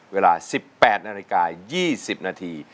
เวลา๑๘นาฬิกา๒๐นาที